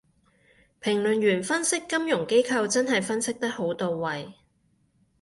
評論員分析金融機構真係分析得好到位